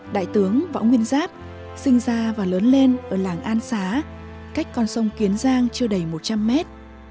đại tướng võ nguyên giáp sinh ra và lớn lên ở làng an xá cách con sông kiến giang chưa đầy một trăm linh mét